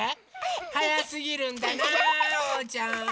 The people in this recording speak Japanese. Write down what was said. はやすぎるんだなおうちゃん！